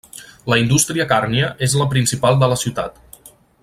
La indústria càrnia és la principal de la ciutat.